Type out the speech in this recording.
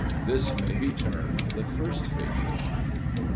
This may be termed the first figure.